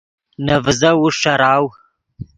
نے ڤیزف اوݰ ݯراؤ